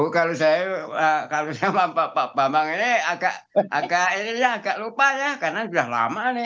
kalau saya kalau sama pak bambang ini agak lupa ya karena sudah lama nih